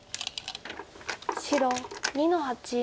白２の八。